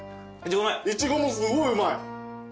いちごもすごいうまい。